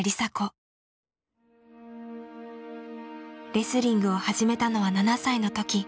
レスリングを始めたのは７歳の時。